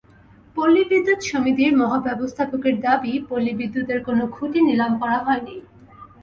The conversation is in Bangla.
পল্লী বিদ্যুৎ সমিতির মহাব্যবস্থাপকের দাবি, পল্লী বিদ্যুতের কোনো খুঁটি নিলাম করা হয়নি।